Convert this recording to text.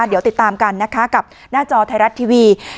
เดี๋ยวติดตามกันนะคะกับหน้าจอไทยรัฐทีวี